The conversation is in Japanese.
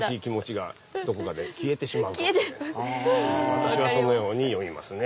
私はそのように読みますね。